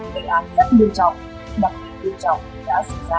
gây án rất đơn trọng đặc biệt đơn trọng đã xảy ra